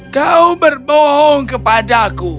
kau berbohong kepadaku